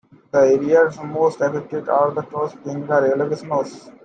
The areas most affected are the toes, fingers, earlobes, nose.